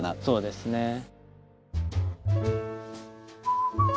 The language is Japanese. そうですね。